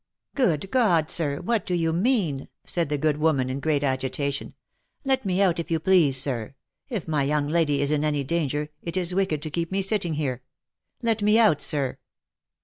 " Good God, sir! what do you mean?" said the good woman, in great agitation. " Let me out if you please, sir. If my young lady is in any danger, it is wicked to keep me sitting here. Let me out, sir